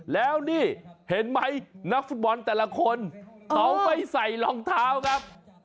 แล้วนี่เห็นไหมนักฟุตบอลแต่ละคนเขาไม่ใส่รองเท้าครับ